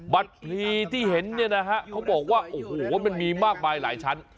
พลีที่เห็นเนี่ยนะฮะเขาบอกว่าโอ้โหมันมีมากมายหลายชั้น